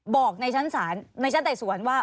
บอกในชั้นศาลในชั้นไต่สวนว่า